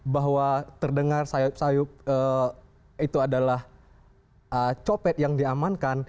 bahwa terdengar sayup sayup itu adalah copet yang diamankan